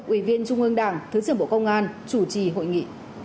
ủy viên trung ương đảng thứ trưởng bộ công an chủ trì hội nghị